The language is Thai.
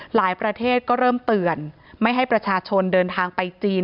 หลายประเทศก็เริ่มเตือนไม่ให้ประชาชนเดินทางไปจีน